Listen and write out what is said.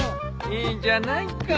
いいじゃないか。